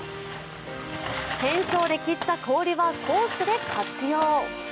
チェーンソーで切った氷はコースで活用。